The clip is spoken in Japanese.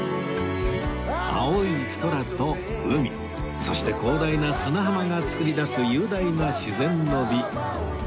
青い空と海そして広大な砂浜が作り出す雄大な自然の美